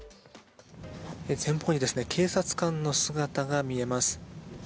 前方に警察官の姿が見えます。